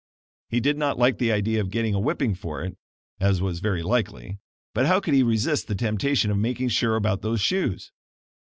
He did not like the idea of getting a whipping for it, as was very likely, but how could he resist the temptation of making sure about those shoes?